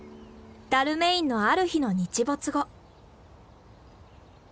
ダルメインのある日の日没後。